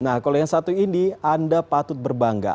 nah kalau yang satu ini anda patut berbangga